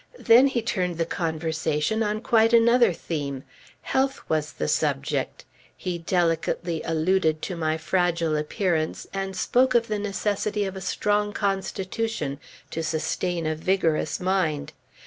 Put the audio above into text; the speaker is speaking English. Then he turned the conversation on quite another theme. Health was the subject. He delicately alluded to my fragile appearance, and spoke of the necessity of a strong constitution to sustain a vigorous mind.